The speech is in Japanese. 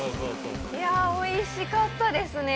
いやおいしかったですね